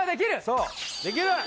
そうできる！